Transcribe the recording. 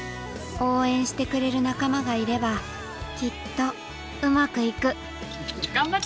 応援してくれる仲間がいればきっとウマくいく・頑張ったね